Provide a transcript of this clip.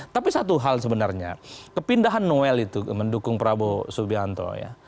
tapi satu hal sebenarnya kepindahan noel itu mendukung prabowo subianto ya